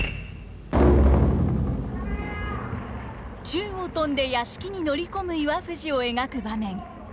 宙を飛んで屋敷に乗り込む岩藤を描く場面。